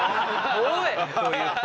おい！